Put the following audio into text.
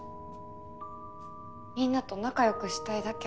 みんなと仲よくしたいだけ。